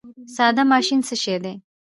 ساده ماشین څه شی دی؟